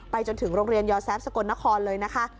จนถึงโรงเรียนยอแซฟสกลนครเลยนะคะ